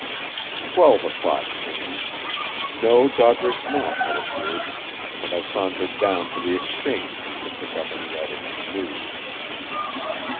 Twelve o'clock came. No Doddridge Knapp had appeared, and I sauntered down to the Exchange to pick up any items of news.